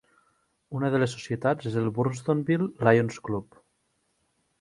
Una de les societats és el Burtonsville Lions Club.